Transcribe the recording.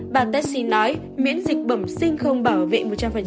bà t c nói miễn dịch bẩm sinh không bảo vệ một trăm linh